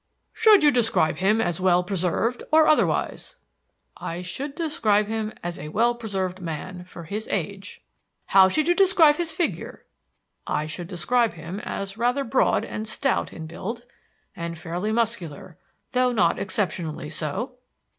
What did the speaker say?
"Should you describe him as well preserved or otherwise?" "I should describe him as a well preserved man for his age." "How should you describe his figure?" "I should describe him as rather broad and stout in build, and fairly muscular, though not exceptionally so."